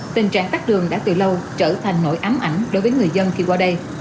tình trạng tắt đường đã từ lâu trở thành nỗi ám ảnh đối với người dân khi qua đây